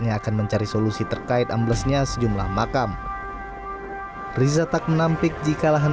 yang akan mencari solusi terkait amblesnya sejumlah makam riza tak menampik jika lahan